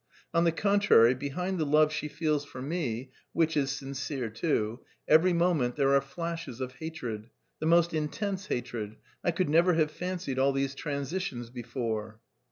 On the contrary, behind the love she feels for me, which is sincere too, every moment there are flashes of hatred... the most intense hatred! I could never have fancied all these transitions... before."